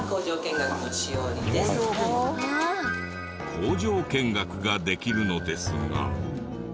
工場見学ができるのですが。